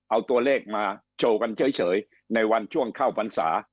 เอาตัวเลขมาโชว์กันเฉยในวันช่วงเข้าพรรษา